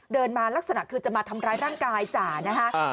มาลักษณะคือจะมาทำร้ายร่างกายจ่านะคะ